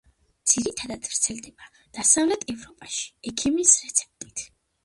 ძირითადად ვრცელდება დასავლეთ ევროპაში ექიმის რეცეპტით.